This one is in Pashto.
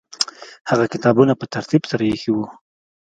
هغه کتابونه په ترتیب سره ایښي وو.